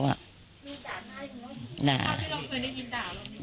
มีจากที่นี่ไหม